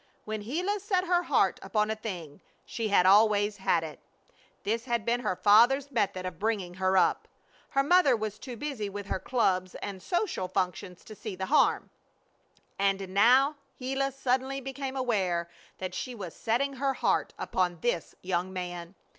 When Gila set her heart upon a thing she had always had it. This had been her father's method of bringing her up. Her mother was too busy with her clubs and her social functions to see the harm. And now Gila suddenly became aware that she was setting her heart upon this young man.